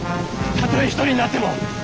たとえ一人になっても。